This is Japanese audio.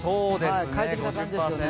快適な感じですよね。